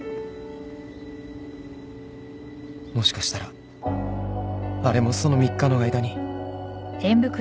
もしかしたらあれもその３日の間に